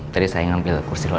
tadi saya ngambil kursi lagi